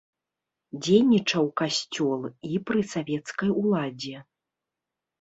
Дзейнічаў касцёл і пры савецкай уладзе.